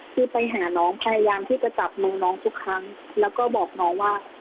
คือไปหาน้องพยายามที่จะจับมือน้องทุกครั้งแล้วก็บอกน้องว่า